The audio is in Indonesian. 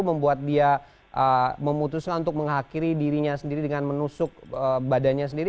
membuat dia memutuskan untuk menghakiri dirinya sendiri dengan menusuk badannya sendiri